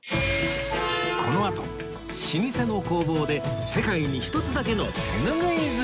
このあと老舗の工房で世界に一つだけの手ぬぐい作り